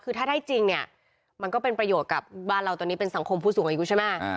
คือถ้าได้จริงเนี่ยมันก็เป็นประโยชน์กับบ้านเราตอนนี้เป็นสังคมผู้สูงอายุใช่ไหม